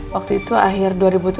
waktu itu akhir dua ribu tujuh belas